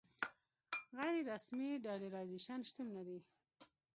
غیر رسمي ډالرایزیشن شتون لري.